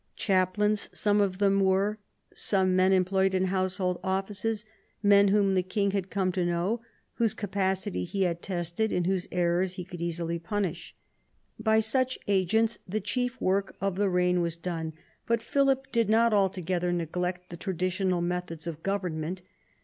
Chaplains some of them were, some men em v THE ADVANCE OF THE MONARCHY 131 ployed in household offices, men whom the king had come to know, whose capacity he had tested and whose errors he could easily punish. By such agents the chief work of the reign was done. But Philip did not altogether neglect the traditional methods of govern ment.